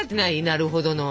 なるほどの。